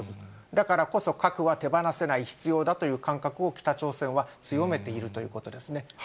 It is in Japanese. だからこそ、核は手放せない、必要だという感覚を北朝鮮は強めているということですね。